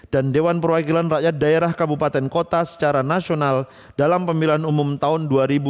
dan dewan perwakilan rakyat daerah kabupaten kota secara nasional dalam pemilihan umum tahun dua ribu sembilan belas